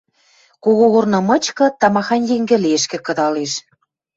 Когогорны мычкы тамахань йӹнгӹлешкӹ кыдалеш.